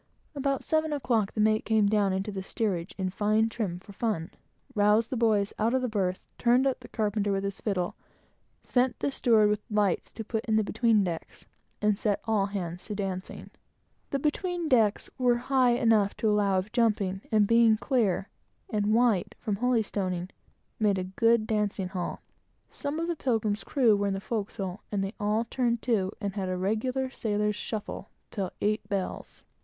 About seven o'clock, the mate came down into the steerage, in fine trim for fun, roused the boys out of the berth, turned up the carpenter with his fiddle, sent the steward with lights to put in the between decks, and set all hands to dancing. The between decks were high enough to allow of jumping; and being clear, and white, from holystoning, made a fine dancing hall. Some of the Pilgrim's crew were in the forecastle, and we all turned to and had a regular sailor's shuffle, till eight bells.